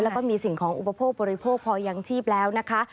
แล้วก็มีสิ่งของอุปโภคบริโภคพอยังชีพแล้วนะคะ